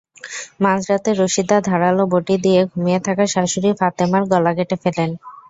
মাঝরাতে রশিদা ধারালো বঁটি দিয়ে ঘুমিয়ে থাকা শাশুড়ি ফাতেমার গলা কেটে ফেলেন।